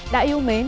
đã yêu mến